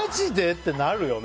ってなるよね。